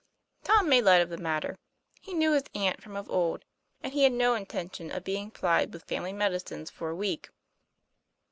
Tom made light of the matter; he knew his aunt from of old, and he had no intention of being plied with family medicines for a week.